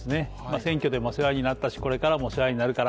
選挙でもお世話になったしこれからもお世話になるから。